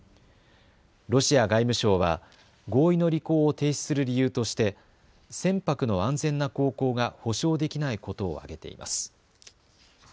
ロシア外務省は合意の履行を停止する理由として船舶の安全な航行が保証できないことを挙げています。